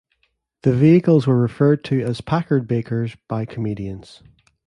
The vehicles were referred to as "Packardbakers" by comedians.